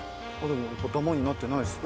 ダマになってないですね。